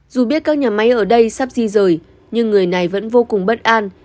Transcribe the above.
dù biết các nhà máy ở đây sắp di rời nhưng người này vẫn vô cùng bất an